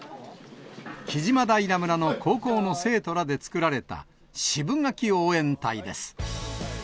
木島平村の高校の生徒らで作られた、シブガキ応援隊です。